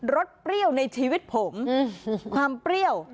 สเปรี้ยวในชีวิตผมความเปรี้ยว